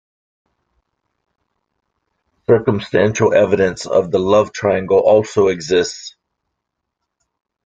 Circumstantial evidence of the love triangle also exists.